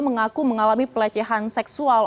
mengaku mengalami pelecehan seksual